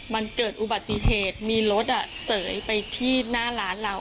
มันเกิดอุบัติเหตุมีรถเสยไปที่หน้าร้านเรา